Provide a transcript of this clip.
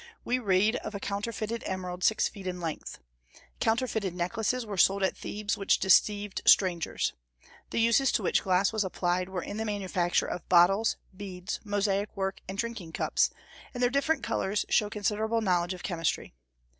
We read of a counterfeited emerald six feet in length. Counterfeited necklaces were sold at Thebes which deceived strangers. The uses to which glass was applied were in the manufacture of bottles, beads, mosaic work, and drinking cups, and their different colors show considerable knowledge of chemistry.